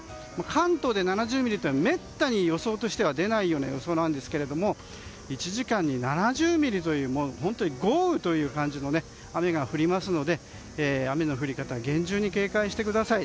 関東で７０ミリというのはめったに出ない予想なんですけども１時間に７０ミリという豪雨のような雨が降りますので雨の降り方厳重に警戒してください。